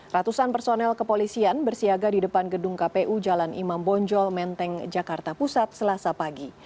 ratusan personel kepolisian bersiaga di depan gedung kpu jalan imam bonjol menteng jakarta pusat selasa pagi